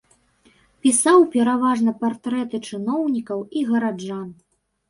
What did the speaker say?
Пісаў пераважна партрэты чыноўнікаў і гараджан.